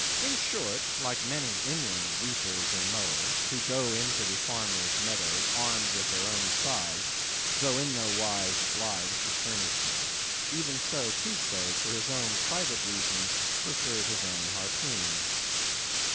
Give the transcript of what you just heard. In short, like many inland reapers and mowers, who go into the farmers' meadows armed with their own scythes—though in no wise obliged to furnish them—even so, Queequeg, for his own private reasons, preferred his own harpoon.